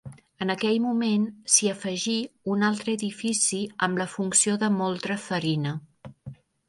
En aquell moment s'hi afegí un altre edifici amb la funció de moldre farina.